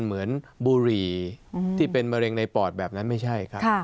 บุหรี่ที่เป็นมะเร็งในปอดแบบนั้นไม่ใช่ครับ